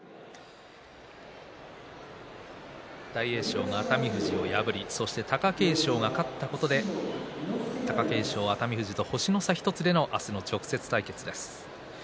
大栄翔が熱海富士を破りそして貴景勝が勝ったことで貴景勝と熱海富士、星の差１つでの明日の直接対決です。